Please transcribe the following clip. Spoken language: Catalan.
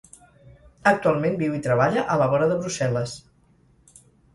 Actualment viu i treballa a la vora de Brussel·les.